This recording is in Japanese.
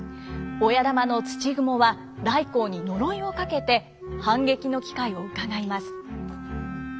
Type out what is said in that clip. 親玉の土蜘蛛は頼光に呪いをかけて反撃の機会をうかがいます。